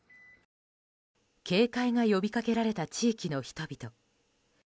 警戒が呼びかけられた地域の人々。